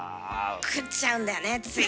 食っちゃうんだよねつい。